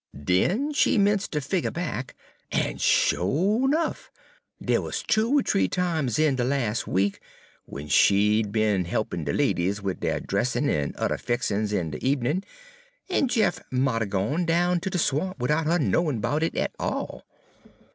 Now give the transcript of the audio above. Den she 'mence' ter figger back, en sho' 'nuff, dey wuz two er th'ee times in de las' week w'en she 'd be'n he'pin' de ladies wid dey dressin' en udder fixin's in de ebenin', en Jeff mought 'a' gone down ter de swamp widout her knowin' 'bout it at all.